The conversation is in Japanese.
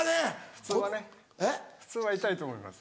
普通はね普通は痛いと思います。